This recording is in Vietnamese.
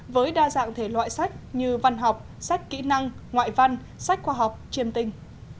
với đa dạng thể loại sách như văn học sách kỹ năng ngoại văn sách khoa học chiêm tình